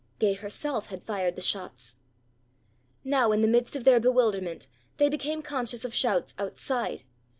Gay herself had fired the shots. Now in the midst of their bewilderment they became conscious of shouts outside.